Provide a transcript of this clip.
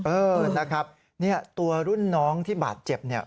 เออนะครับตัวรุ่นน้องที่บาดเจ็บ